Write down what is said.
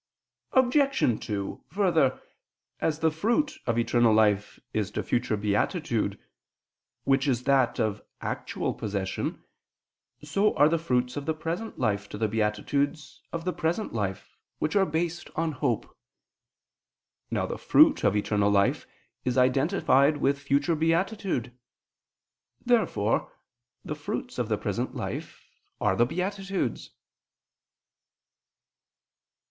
Obj. 2: Further, as the fruit of eternal life is to future beatitude which is that of actual possession, so are the fruits of the present life to the beatitudes of the present life, which are based on hope. Now the fruit of eternal life is identified with future beatitude. Therefore the fruits of the present life are the beatitudes.